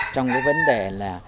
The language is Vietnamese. trong cái vấn đề là